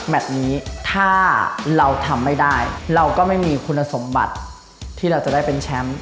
แบบนี้ถ้าเราทำไม่ได้เราก็ไม่มีคุณสมบัติที่เราจะได้เป็นแชมป์